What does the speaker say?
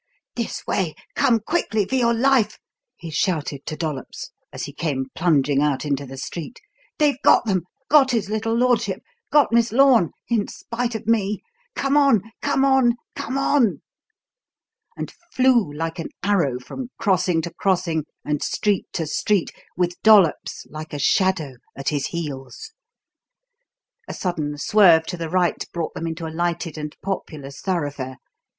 "This way! come quickly, for your life!" he shouted to Dollops, as he came plunging out into the street. "They've got them got his little lordship! Got Miss Lorne in spite of me. Come on! come on! come on!" and flew like an arrow from crossing to crossing and street to street with Dollops, like a shadow, at his heels. A sudden swerve to the right brought them into a lighted and populous thoroughfare.